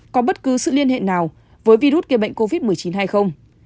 có bất cứ sự liên hệ nào với virus gây bệnh covid một mươi chín hay không